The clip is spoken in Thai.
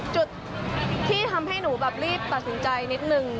จุดที่ทำให้หนูแบบรีบตัดสินใจนิดนึง